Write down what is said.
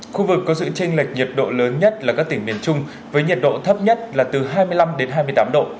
khu vực có sự tranh lệch nhiệt độ lớn nhất là các tỉnh miền trung với nhiệt độ thấp nhất là từ hai mươi năm đến hai mươi tám độ